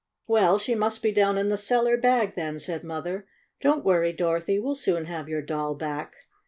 "Well, she must be down in the cellar bag, then," said Mother. "Don't worry, Dorothy. We'll soon have your doll back."